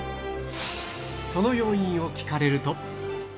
その要因を聞かれると。